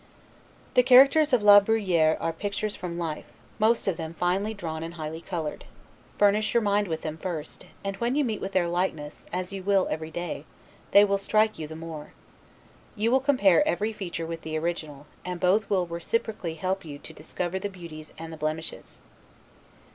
The characters of La Bruyere are pictures from the life; most of them finely drawn, and highly colored. Furnish your mind with them first, and when you meet with their likeness, as you will every day, they will strike you the more. You will compare every feature with the original; and both will reciprocally help you to discover the beauties and the blemishes.